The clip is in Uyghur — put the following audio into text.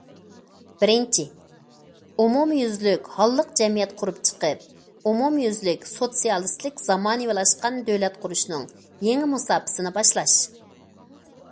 بىرىنچى، ئومۇميۈزلۈك ھاللىق جەمئىيەت قۇرۇپ چىقىپ، ئومۇميۈزلۈك سوتسىيالىستىك زامانىۋىلاشقان دۆلەت قۇرۇشنىڭ يېڭى مۇساپىسىنى باشلاش.